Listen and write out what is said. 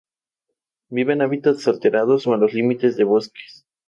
Durante su reinado Minsk estuvo en guerra con Kiev y Pólotsk.